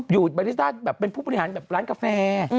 บาริสต้าแบบเป็นผู้บริหารแบบร้านกาแฟ